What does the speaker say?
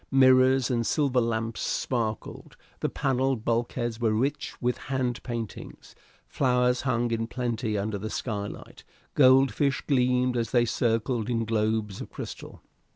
Mirrors and silver lamps sparkled; the panelled bulkheads were rich with hand paintings; flowers hung in plenty under the skylight; goldfish gleamed as they circled in globes of crystal.